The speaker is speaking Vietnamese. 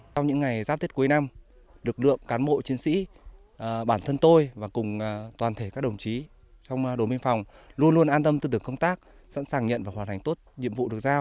trong những ngày giáp tết cuối năm lực lượng cán bộ chiến sĩ bản thân tôi và cùng toàn thể các đồng chí trong đồn biên phòng luôn luôn an tâm tư tưởng công tác sẵn sàng nhận và hoàn thành tốt nhiệm vụ được giao